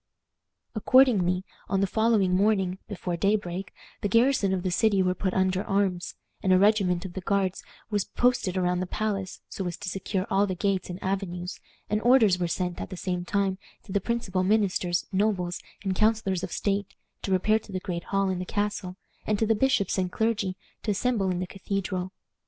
Accordingly, on the following morning, before daybreak, the garrison of the city were put under arms, and a regiment of the Guards was posted around the palace, so as to secure all the gates and avenues; and orders were sent, at the same time, to the principal ministers, nobles, and counselors of state, to repair to the great hall in the castle, and to the bishops and clergy to assemble in the Cathedral.